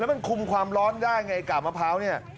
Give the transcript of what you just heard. มันคุมความร้อนได้ไงกาบมะพร้าวเนี่ย